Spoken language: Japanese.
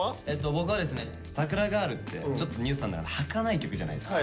僕はですね「さくらガール」ってちょっとＮＥＷＳさんの中ではかない曲じゃないですか。